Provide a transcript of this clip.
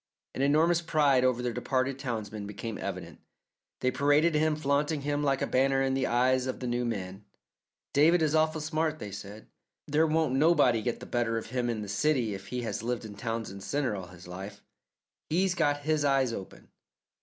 An enormous pride over their departed townsman became evident. They paraded him, flaunting him like a banner in the eyes of the new man. "David is awful smart," they said; "there won't nobody get the better of him in the city if he has lived in Townsend Centre all his life. He's got his eyes open.